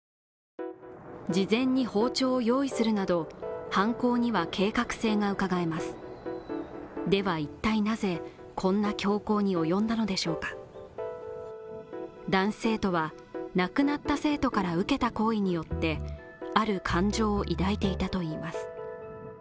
事前に包丁を用意するなど、犯行には計画性がうかがえますでは一体なぜこんな凶行に及んだのでしょうか男子生徒は亡くなった生徒から受けた行為によってある感情を抱いていたといいます。